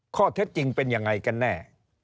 ข้อเท็จจริงเป็นยังไงกันแน่